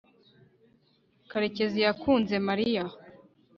karekezi yakunze mariya